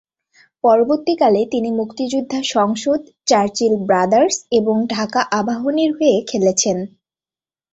পরবর্তীকালে, তিনি মুক্তিযোদ্ধা সংসদ, চার্চিল ব্রাদার্স এবং ঢাকা আবাহনীর হয়ে খেলেছেন।